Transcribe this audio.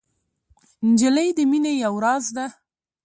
نجلۍ د مینې یو راز ده.